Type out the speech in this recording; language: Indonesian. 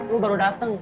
lo baru dateng